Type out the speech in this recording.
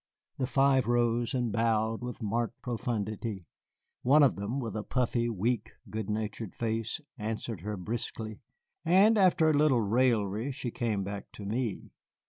The five rose and bowed with marked profundity. One of them, with a puffy, weak, good natured face, answered her briskly, and after a little raillery she came back to me.